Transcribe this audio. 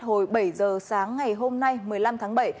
hồi bảy giờ sáng ngày hôm nay một mươi năm tháng bảy